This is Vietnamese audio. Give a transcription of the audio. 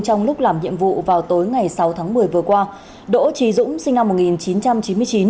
trong lúc làm nhiệm vụ vào tối ngày sáu tháng một mươi vừa qua đỗ trí dũng sinh năm một nghìn chín trăm chín mươi chín